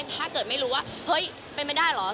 แล้วถ้าเกิดไม่รู้ว่าเฮ้ยเป็นไม่ได้เหรอ